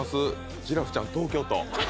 「ジラフちゃん東京都」